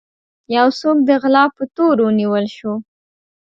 يو څوک د غلا په تور ونيول شو.